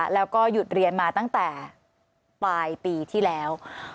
แล้วก็หยุดเรียนมาตั้งแต่ปลายปีที่แล้ว